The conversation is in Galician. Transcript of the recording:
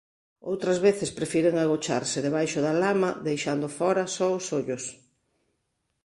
Outras veces prefiren agocharse debaixo da lama deixando fóra só os ollos.